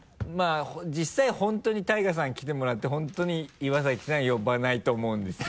実際本当にＴＡＩＧＡさん来てもらって本当に岩崎さん呼ばないと思うんですよ。